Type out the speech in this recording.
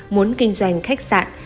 muốn kinh doanh khách sạn